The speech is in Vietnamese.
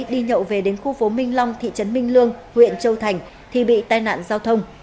đi nhậu về đến khu phố minh long thị trấn minh lương huyện châu thành thì bị tai nạn giao thông